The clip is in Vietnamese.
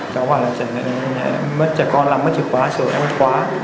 cháu bảo là trẻ con làm mất chìa khóa sửa mất chìa khóa